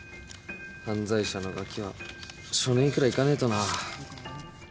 犯罪者のガキは少年院くらい行かねえとな